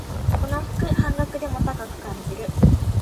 この服、半額でも高く感じる